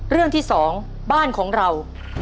เรื่องที่๒บ้านของเรา